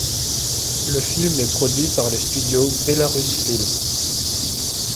Le film est produit par les studios Belarusfilm.